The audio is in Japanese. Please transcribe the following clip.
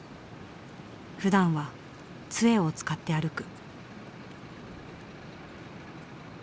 ふだんは杖を使って歩く。